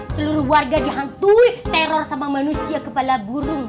seluruh warga dihantui teror sama manusia kepala burung